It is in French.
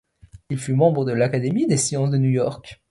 Il fut membre de l'Académie des sciences de New York.